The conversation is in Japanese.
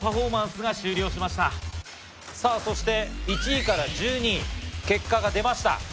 そして１位から１２位結果が出ました。